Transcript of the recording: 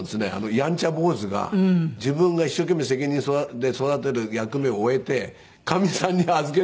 ヤンチャ坊主が自分が一生懸命責任で育てる役目を終えてかみさんに預けられるから。